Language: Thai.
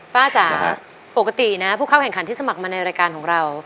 จ๋าปกตินะผู้เข้าแข่งขันที่สมัครมาในรายการของเรา